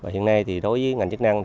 hiện nay đối với ngành chức năng